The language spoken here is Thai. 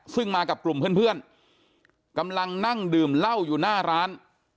ซึ่งมากับกลุ่มเพื่อนกำลังนั่งดื่มเหล้าอยู่หน้าร้าน